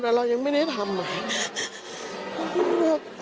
แต่เรายังไม่ได้ทำ